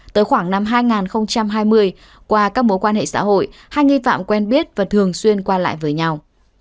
tới khoảng năm hai nghìn hai mươi qua các mối quan hệ xã hội hai nghi phạm quen biết và thường xuyên qua lại với nhau